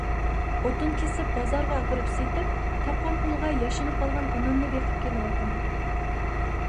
ئوتۇن كېسىپ بازارغا ئاپىرىپ سېتىپ، تاپقان پۇلغا ياشىنىپ قالغان ئانامنى بېقىپ كېلىۋاتىمەن.